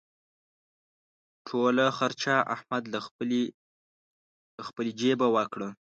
ټوله خرچه احمد له خپلې جېبه وکړه.